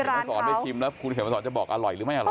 มาสอนได้ชิมแล้วคุณเขียนมาสอนจะบอกอร่อยหรือไม่อร่อย